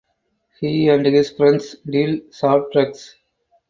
He and his friends deal soft drugs.